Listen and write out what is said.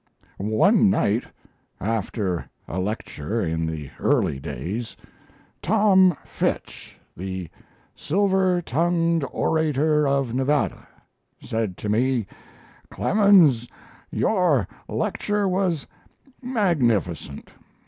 One night, after a lecture in the early days, Tom Fitch, the 'silver tongued orator of Nevada,' said to me: 'Clemens, your lecture was magnificent.